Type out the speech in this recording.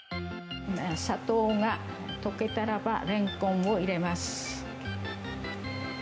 砂糖が溶けたらばレンコンを入れます。